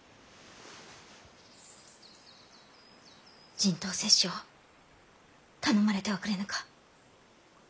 人痘接種を頼まれてはくれぬか！